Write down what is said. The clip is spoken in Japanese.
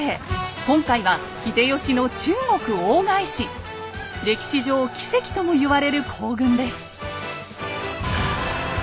今回は歴史上奇跡ともいわれる行軍です。